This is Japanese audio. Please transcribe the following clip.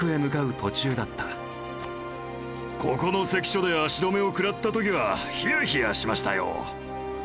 ここの関所で足止めを食らった時はひやひやしましたよ。